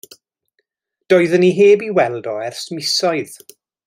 Doeddan ni heb i weld o ers misoedd.